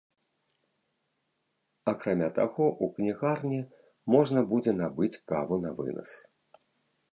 Акрамя таго, у кнігарні можна будзе набыць каву навынас.